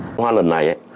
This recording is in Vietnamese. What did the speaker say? liên hoan lần này